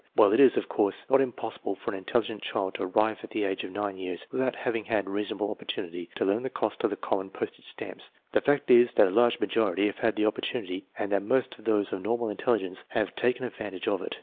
While it is, of course, not impossible for an intelligent child to arrive at the age of 9 years without having had reasonable opportunity to learn the cost of the common postage stamps, the fact is that a large majority have had the opportunity and that most of those of normal intelligence have taken advantage of it.